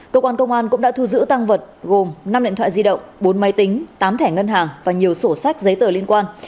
cơ quan công an cũng đã thu giữ tăng vật gồm năm điện thoại di động bốn máy tính tám thẻ ngân hàng và nhiều sổ sách giấy tờ liên quan